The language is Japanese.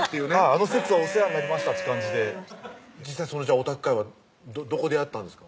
あの節はお世話になりましたって感じで実際オタク会はどこでやったんですか？